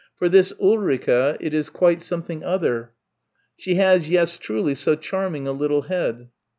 "For this Ulrica it is quite something other.... She has yes truly so charming a little head."